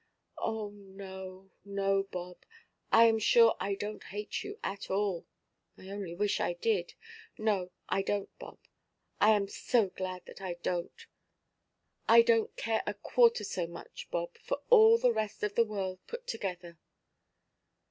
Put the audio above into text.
"Oh no, no, Bob. I am sure I donʼt hate you at all. I only wish I did. No, I donʼt, Bob. I am so glad that I donʼt. I donʼt care a quarter so much, Bob, for all the rest of the world put together."